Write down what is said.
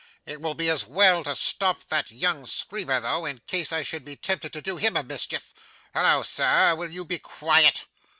It will be as well to stop that young screamer though, in case I should be tempted to do him a mischief. Holloa, sir! Will you be quiet?